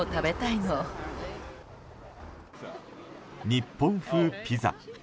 日本風ピザ。